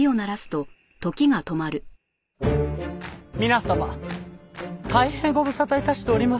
皆様大変ご無沙汰致しております。